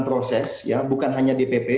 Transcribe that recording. proses ya bukan hanya dpp